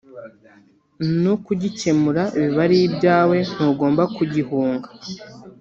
no kugikemura biba ari ibyawe ntugomba kugihunga